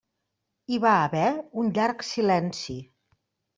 Hi va haver un llarg silenci.